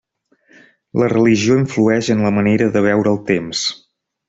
La religió influeix en la manera de veure el temps.